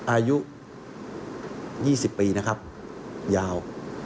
อายุ๒๐ปีนะครับยาว